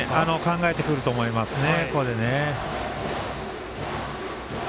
考えてくると思いますね。